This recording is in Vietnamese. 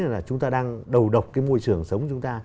là chúng ta đang đầu độc cái môi trường sống chúng ta